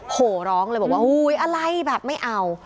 โหร้องเลยบอกว่าอะไรแบบไม่เอา